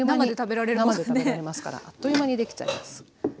生で食べられますからあっという間にできちゃいます。